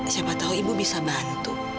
siapa tahu ibu bisa bantu